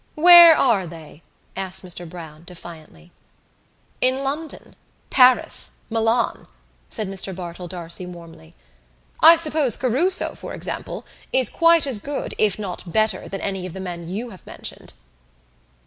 "Where are they?" asked Mr Browne defiantly. "In London, Paris, Milan," said Mr Bartell D'Arcy warmly. "I suppose Caruso, for example, is quite as good, if not better than any of the men you have mentioned."